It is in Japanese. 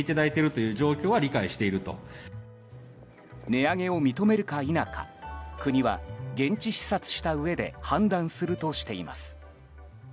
値上げを認めるか否か国は現地視察したうえで判断するとしています。